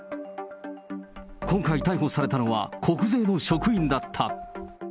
今回逮捕されたのは、国税の職員だった。